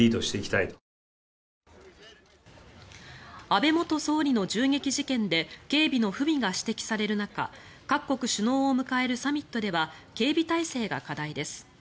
安倍元総理の銃撃事件で警備の不備が指摘される中各国首脳を迎えるサミットでは警備体制が課題です。